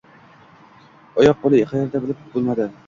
Oyoq-qo‘li qaerda, bilib bo‘lmadi.